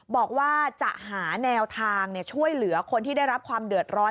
บอกว่าจะหาแนวทางช่วยเหลือคนที่ได้รับความเดือดร้อน